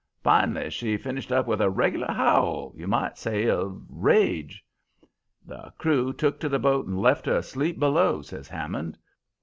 Fin'lly she finished up with a regular howl, you might say, of rage. "'The crew took to the boat and left 'er asleep below,' says Hammond.